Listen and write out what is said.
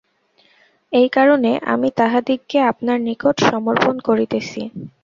এই কারণে আমি তাহাদিগকে আপনার নিকট সমর্পণ করিতেছি।